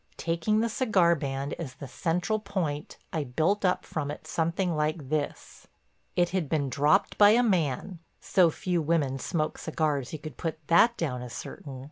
Taking the cigar band as the central point I built up from it something like this: It had been dropped by a man—so few women smoke cigars you could put that down as certain.